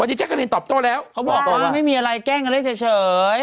วันนี้แจ๊กก็เรียนตอบโตว่าไม่มีอะไรแกล้งกันเลยเฉย